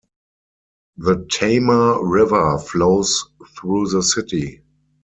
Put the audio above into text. The Tama River flows through the city.